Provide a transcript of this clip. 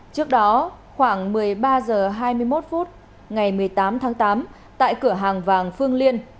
trước đó khoảng một mươi ba h hai mươi một phút ngày một mươi tám tháng tám tại cửa hàng vàng phương liên